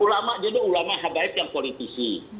ulama jadi ulama habaib yang politisi